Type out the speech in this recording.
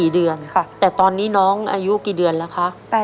๔เดือนค่ะแต่ตอนนี้น้องอายุกี่เดือนแล้วคะ